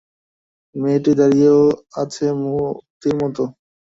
মেয়েটি দাঁড়িয়েও আছে মূর্তির মতো।